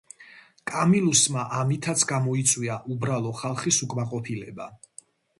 კამილუსმა ამითაც გამოიწვია უბრალო ხალხის უკმაყოფილება.